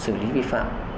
xử lý vi phạm